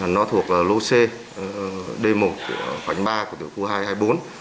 nó thuộc lô c đê một khoảng ba của tiểu khu hai trăm hai mươi bốn